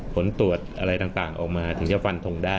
ผลตรวจอะไรต่างออกมาถึงจะฟันทงได้